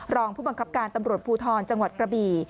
รองผู้บังคับการตำรวจภูทรจังหวัดกระบี่